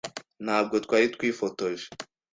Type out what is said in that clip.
Ntabwo twari twifotoje.